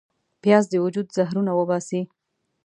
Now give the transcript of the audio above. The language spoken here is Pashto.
پیاز د وجود زهرونه وباسي